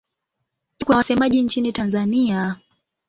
Pia kuna wasemaji nchini Tanzania.